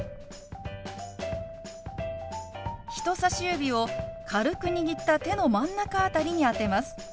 人さし指を軽く握った手の真ん中辺りに当てます。